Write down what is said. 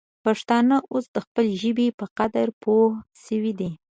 پښتانه اوس د خپلې ژبې په قدر پوه سوي دي.